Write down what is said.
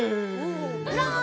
ブラン！